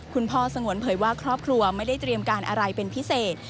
สงวนเผยว่าครอบครัวไม่ได้เตรียมการอะไรเป็นพิเศษ